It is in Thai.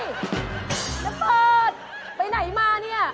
ระเบิดไปไหนมาเนี่ย